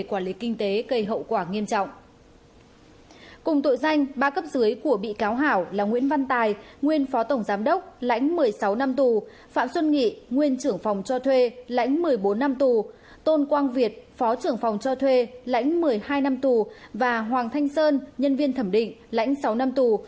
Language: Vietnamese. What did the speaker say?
cùng tội danh ba cấp dưới của bị cáo hảo là nguyễn văn tài nguyên phó tổng giám đốc lãnh một mươi sáu năm tù phạm xuân nghị nguyên trưởng phòng cho thuê lãnh một mươi bốn năm tù tôn quang việt phó trưởng phòng cho thuê lãnh một mươi hai năm tù và hoàng thanh sơn nhân viên thẩm định lãnh sáu năm tù